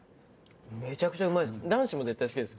めちゃくちゃうまいです。